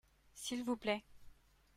s'il vous plait.